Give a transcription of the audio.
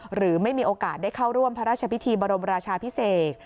หรือไม่มีโอกาสได้เข้าร่วมพระราชพิธีบรมราชาพิเศษ